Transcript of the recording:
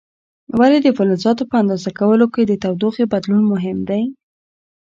ولې د فلزاتو په اندازه کولو کې د تودوخې بدلون مهم دی؟